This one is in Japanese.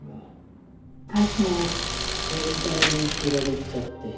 小百合さんにフラれちゃって。